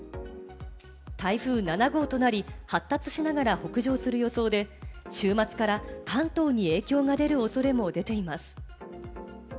台風７号となり、発達しながら北上する予想で、週末から関東に影響が出る恐れも出ています。